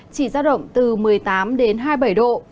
chỉ ra động từ một mươi tám đến hai mươi bảy độ